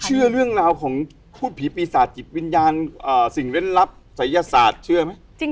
เชื่อเรื่องราวของพูดผีปีศาจจิตวิญญาณสิ่งเล่นลับศัยศาสตร์เชื่อไหม